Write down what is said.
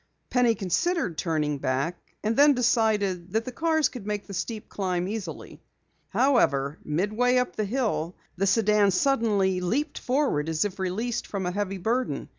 Penny considered turning back, and then decided that the cars could make the steep climb easily. However, midway up the hill the sedan suddenly leaped forward as if released from a heavy burden.